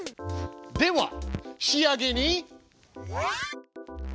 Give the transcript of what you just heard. では仕上げに。